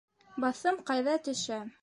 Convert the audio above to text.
Баҫым ҡайҙа төшә?